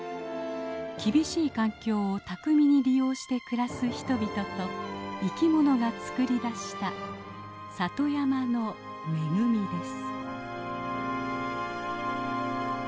厳しい環境を巧みに利用して暮らす人々と生きものが作り出した里山の恵みです。